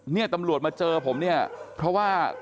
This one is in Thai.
เนี่ยตำรวจมาเจอผมเนี่ยเพราะว่า